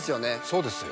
そうですよ